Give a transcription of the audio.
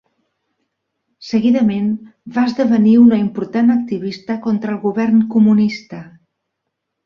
Seguidament, va esdevenir una important activista contra el govern comunista.